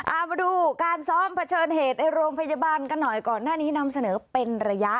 เอามาดูการซ้อมเผชิญเหตุในโรงพยาบาลกันหน่อยก่อนหน้านี้นำเสนอเป็นระยะ